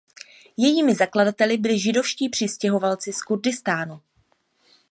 Jejími zakladateli byli židovští přistěhovalci z Kurdistánu.